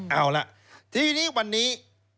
เอาล่ะทีนี้วันนี้